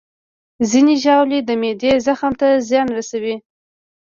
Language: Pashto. ځینې ژاولې د معدې زخم ته زیان رسوي.